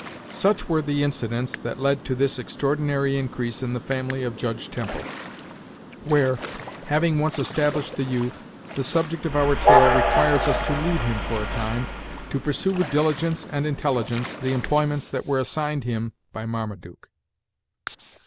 Such were the incidents that led to this extraordinary increase in the family of Judge Temple, where, having once established the youth, the subject of our tale requires us to leave him for a time, to pursue with diligence and intelligence the employments that were assigned him by Marmaduke.